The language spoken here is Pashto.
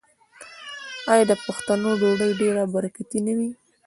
آیا د پښتنو ډوډۍ ډیره برکتي نه وي؟